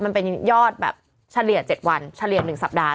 มันเป็นยอดแบบเฉลี่ย๗วันเฉลี่ย๑สัปดาห์